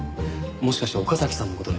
もしかして岡崎さんの事で。